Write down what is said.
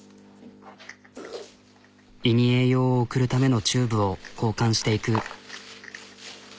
胃に栄養を送るためのチューブを交換していく。